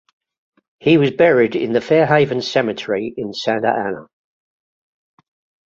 He was buried in the Fairhaven Cemetery in Santa Ana.